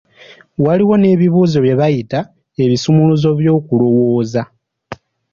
Waliwo n'ebibuuzo bye bayita; ebisumuluzo by'okulowooza.